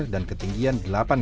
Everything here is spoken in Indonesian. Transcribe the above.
dan ketinggian dilaporkan